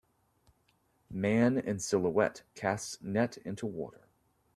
man in silhouette casts net into water.